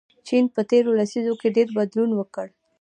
چین په تیرو لسیزو کې ډېر بدلون وکړ.